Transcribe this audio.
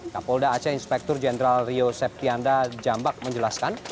kapolda aceh inspektur jenderal rio septianda jambak menjelaskan